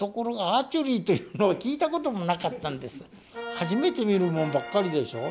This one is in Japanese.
初めて見るもんばっかりでしょ？